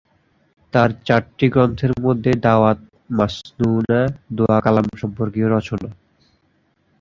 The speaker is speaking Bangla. তাঁর চারটি গ্রন্থের মধ্যে দাওয়াত মাস্নূনা দোয়া-কালাম সম্পর্কীয় রচনা।